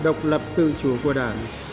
độc lập từ chủ của đảng